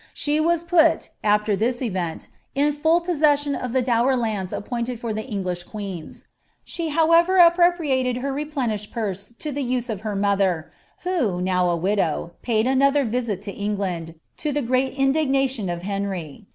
She was put, aAer this event, in full possession of the dower lauds appointed for the Eng^ lish queens; she however appropriated her replenished purse to the use of her mother, who, now a widow, paid another visit to England, to the great indignation of Henry.